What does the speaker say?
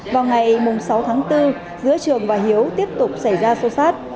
vào ngày sáu tháng bốn giữa trường và hiếu tiếp tục xảy ra xô xát